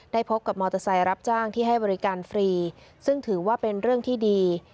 พบกับมอเตอร์ไซค์รับจ้างที่ให้บริการฟรีซึ่งถือว่าเป็นเรื่องที่ดี